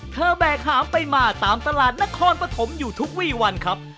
แบกหามไปมาตามตลาดนครปฐมอยู่ทุกวี่วันครับ